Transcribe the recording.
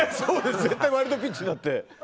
絶対ワイルドピッチになって。